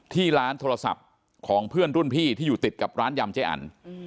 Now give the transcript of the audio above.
ที่ร้านโทรศัพท์ของเพื่อนรุ่นพี่ที่อยู่ติดกับร้านยำเจ๊อัน